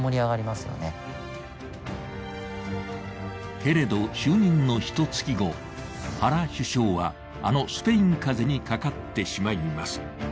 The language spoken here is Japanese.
けれど、就任の一月後、原首相は、あのスペイン風邪にかかってしまいます。